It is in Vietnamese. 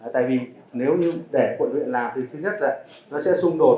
tại vì nếu như để quận huyện làm thì thứ nhất là nó sẽ xung đột